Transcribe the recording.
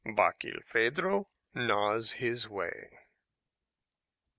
BARKILPHEDRO GNAWS HIS WAY.